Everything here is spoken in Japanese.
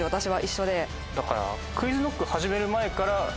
だから。